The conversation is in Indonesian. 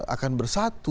akan bersatu tuh